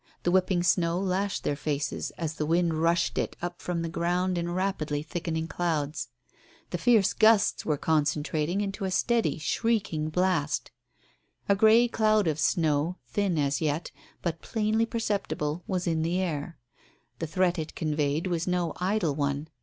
The whipping snow lashed their faces as the wind rushed it up from the ground in rapidly thickening clouds. The fierce gusts were concentrating into a steady shrieking blast. A grey cloud of snow, thin as yet, but plainly perceptible, was in the air. The threat it conveyed was no idle one.